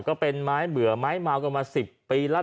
ก็เป็นไม้เบื่อไม้เมากันมา๑๐ปีแล้ว